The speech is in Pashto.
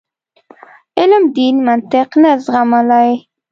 علم دین منطق نه زغملای.